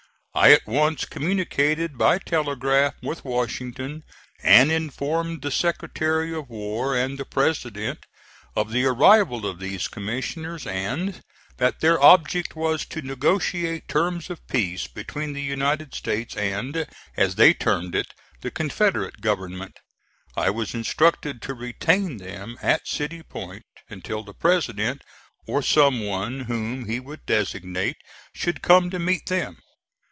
I at once communicated by telegraph with Washington and informed the Secretary of War and the President of the arrival of these commissioners and that their object was to negotiate terms of peace between the United States and, as they termed it, the Confederate Government. I was instructed to retain them at City Point, until the President, or some one whom he would designate, should come to meet them.